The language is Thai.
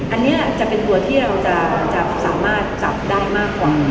อันนี้จะเป็นตัวที่เราจะสามารถจับได้มากกว่า